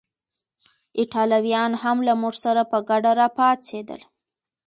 ایټالویان هم له موږ سره په ګډه راپاڅېدل.